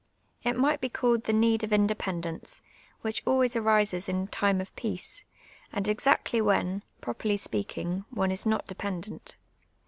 It might be called the need of independence, which always arises in time of peace, and ex actly when, properly speaking, one is not dependent.